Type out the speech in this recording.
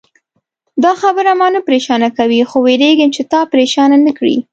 دا خبره ما نه پرېشانه کوي، خو وېرېږم چې تا پرېشانه نه کړي.